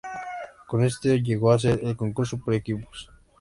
Con esta llegó a ser en el concurso por equipos.